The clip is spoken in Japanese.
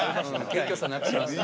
謙虚さなくしました。